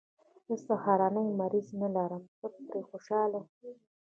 زه سهارنۍ مریضي نه لرم، ته پرې خوشحاله یې.